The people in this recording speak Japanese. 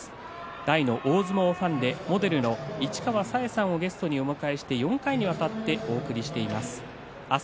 大の大相撲ファンでモデルの市川紗椰さんをゲストにお迎えして４回にわたってお送りしています。